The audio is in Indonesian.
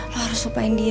lo harus lupain dia